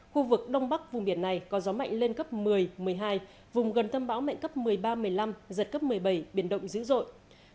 khu vực đông bắc vùng biển này có gió mạnh lên cấp một mươi một mươi hai vùng gần tâm bão mạnh cấp một mươi ba một mươi năm giật cấp một mươi bảy biển động dữ dội